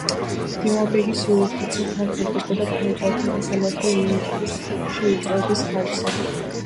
მდივანბეგის იურისდიქცია ფართოვდებოდა ფეოდალთა სასამართლო იმუნიტეტის შევიწროების ხარჯზე.